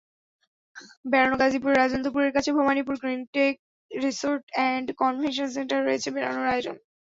বেড়ানোগাজীপুরের রাজেন্দ্রপুরের কাছে ভবানীপুরে Greentech resort and convention সেন্টারে রয়েছে বেড়ানোর আয়োজন।